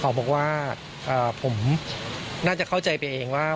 บอกว่าผมน่าจะเข้าใจไปเองว่า